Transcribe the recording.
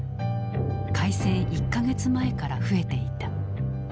開戦１か月前から増えていた。